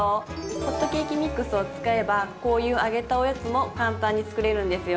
ホットケーキミックスを使えばこういう揚げたおやつも簡単に作れるんですよ。